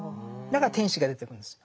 だから天使が出てくるんです。